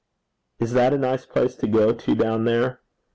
Is that a nice place to go to down there?